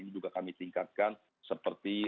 ini juga kami tingkatkan seperti